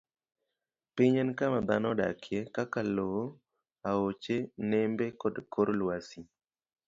Piny en kama dhano odakie, kaka lowo, aoche, nembe, kod kor lwasi.